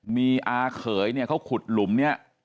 มีอาเขยเนี่ยเขาขุดหลุมเนี่ย